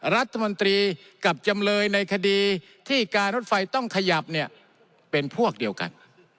รัฐมนตรีกับจำเลยในคดีที่การรถไฟต้องขยับเนี่ยเป็นพวกเดียวกัน